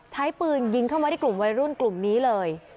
ใช้ปืนยิงเข้ามาที่กลุ่มวัยรุ่นกลุ่มนี้เลย